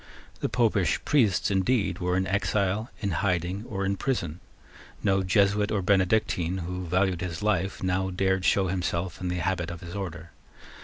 The Popish priests, indeed, were in exile, in hiding, or in prison. No Jesuit or Benedictine who valued his life now dared to show himself in the habit of his order.